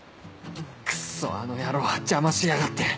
クッソあの野郎邪魔しやがって